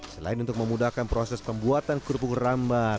selain untuk memudahkan proses pembuatan kerupuk rambat